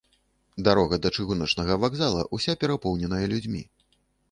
Дарога да чыгуначнага вакзала ўся перапоўненая людзьмі.